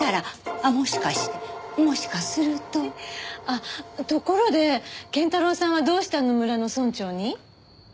あっところで謙太郎さんはどうしてあの村の村長に？